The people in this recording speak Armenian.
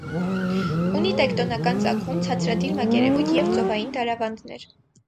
Ունի տեկտոնական ծագում, ցածրադիր մակերևույթ և ծովային դարավանդներ։